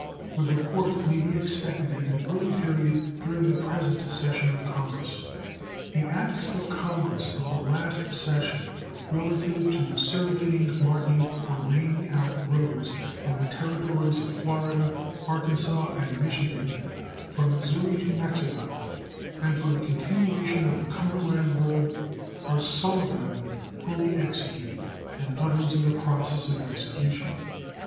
The report may be expected at an early period during the present session of Congress. The acts of Congress of the last session relative to the surveying, marking, or laying out roads in the Territories of Florida, Arkansas, and Michigan, from Missouri to Mexico, and for the continuation of the Cumberland road, are, some of them, fully executed, and others in the process of execution.